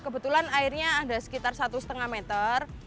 kebetulan airnya ada sekitar satu lima meter